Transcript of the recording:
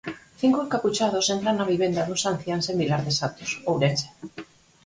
Cinco encapuchados entran na vivenda duns anciáns en Vilar de Santos, Ourense.